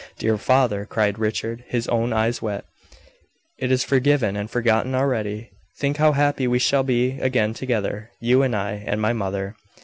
"Dear father," cried Richard, his own eyes wet, "it is forgiven and forgotten already. Think how happy we shall be again together, you, and I, and my mother."